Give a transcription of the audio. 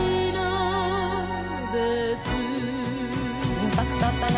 インパクトあったな